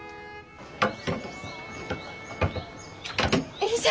よいしょ！